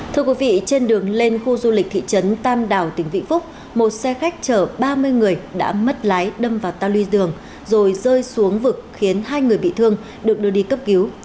thưa quý vị trên đường lên khu du lịch thị trấn tam đảo tỉnh vĩnh phúc một xe khách chở ba mươi người đã mất lái đâm vào ta luy dương rồi rơi xuống vực khiến hai người bị thương được đưa đi cấp cứu